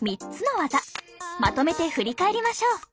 まとめて振り返りましょう。